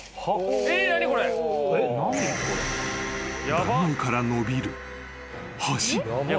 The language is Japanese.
［断崖から伸びる］